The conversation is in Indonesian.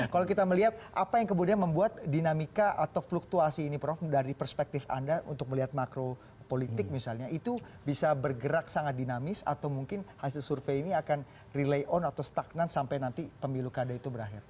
kalau kita melihat apa yang kemudian membuat dinamika atau fluktuasi ini prof dari perspektif anda untuk melihat makro politik misalnya itu bisa bergerak sangat dinamis atau mungkin hasil survei ini akan relay on atau stagnan sampai nanti pemilu kada itu berakhir